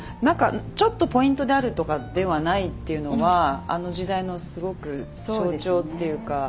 なんかちょっとポイントであるとかではないっていうのはあの時代のすごく象徴っていうか。